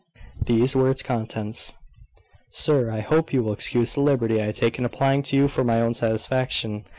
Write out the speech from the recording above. These were its contents: "Sir, I hope you will excuse the liberty I take in applying to you for my own satisfaction.